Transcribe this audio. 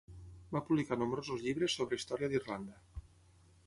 Va publicar nombrosos llibres sobre història d'Irlanda.